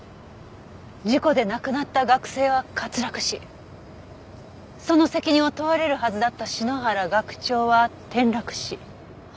事故で亡くなった学生は滑落死その責任を問われるはずだった篠原学長は転落死。